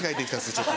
ちょっと。